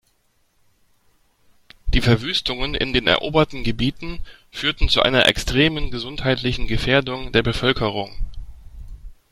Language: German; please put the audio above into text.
Die Verwüstungen in den eroberten Gebieten führten zu einer extremen gesundheitlichen Gefährdung der Bevölkerung.